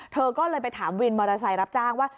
เธอก็เลยไปถามวินมอเตอร์ไซค์รับจ้างว่า